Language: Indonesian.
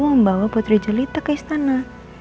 membawa putri jelita ke istana